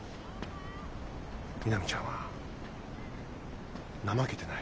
みなみちゃんは怠けてない。